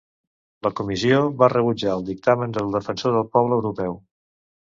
La Comissió va rebutjar el dictamen del Defensor del Poble Europeu.